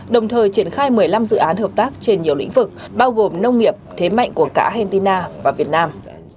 đồng thời triển khai một mươi năm dự án hợp tác trên nhiều lĩnh vực bao gồm nông nghiệp thế mạnh của cả argentina và việt nam